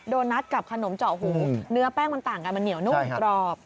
โดนัทกับขนมเจาะหูเนื้อแป้งมันต่างกันมันเหนียวนุ่มกรอบ